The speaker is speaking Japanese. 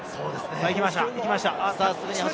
行きました。